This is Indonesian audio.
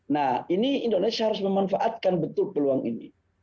nah ini indonesia harus memanfaatkan betul peluang ini